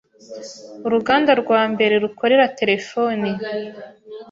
uruganda rwa mbere rukorera telephone